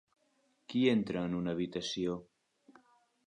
Qui entra en una habitació?